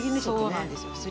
そうなんですよ。